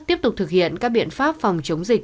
tiếp tục thực hiện các biện pháp phòng chống dịch